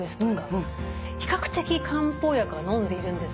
比較的漢方薬はのんでいるんですが。